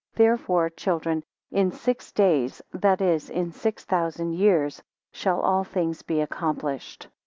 Therefore, children, in six days, that is, in six thousand years, shall a all things be accomplished.